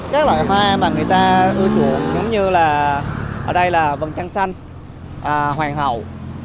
các loại hoa mà người ta ưa chuộng giống như là ở đây là vần trăng xanh hoàng hậu